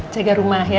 jaga rumah ya